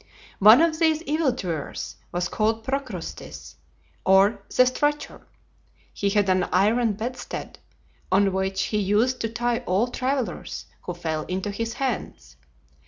One of these evil doers was called Procrustes, or the Stretcher. He had an iron bedstead, on which he used to tie all travellers who fell into his hands.